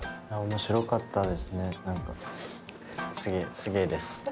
面白かったですね何か。